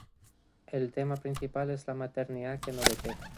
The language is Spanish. El tema principal es la maternidad que no le llega.